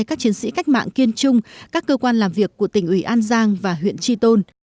các chiến sĩ cách mạng kiên trung các cơ quan làm việc của tỉnh ủy an giang và huyện tri tôn